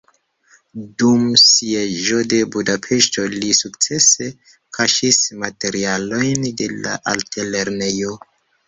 Dum sieĝo de Budapeŝto li sukcese kaŝis materialojn de la altlernejo.